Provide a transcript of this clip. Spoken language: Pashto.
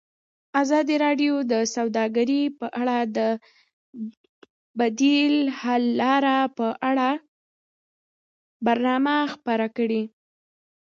ازادي راډیو د سوداګري لپاره د بدیل حل لارې په اړه برنامه خپاره کړې.